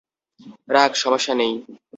রাখ, সমস্যা নেই।